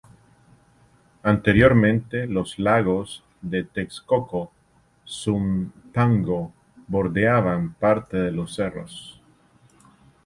Anteriormente los lagos de Texcoco y Zumpango bordeaban parte de los cerros.